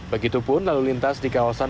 begitupun lalu lintas di kawasan